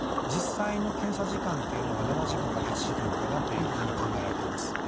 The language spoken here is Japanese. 実際の検査時間っていうのが７時間から８時間かなというふうに考えられています。